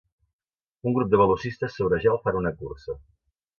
Un grup de velocistes sobre gel fan una cursa.